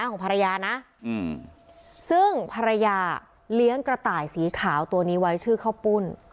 ของภรรยานะซึ่งภรรยาเลี้ยงกระต่ายสีขาวตัวนี้ไว้ชื่อข้าวปุ้น